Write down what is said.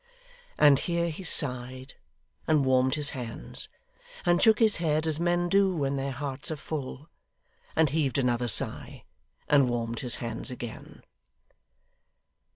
And here he sighed, and warmed his hands, and shook his head as men do when their hearts are full, and heaved another sigh, and warmed his hands again.